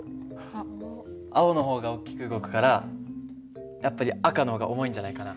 青の方が大きく動くからやっぱり赤の方が重いんじゃないかな。